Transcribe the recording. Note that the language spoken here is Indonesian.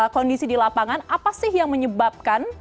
kondisi di lapangan apa sih yang menyebabkan